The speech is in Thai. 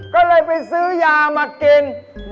ก็เลยไปซื้อยามากิน